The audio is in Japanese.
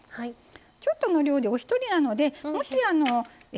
ちょっとの量でお一人なのでもしえ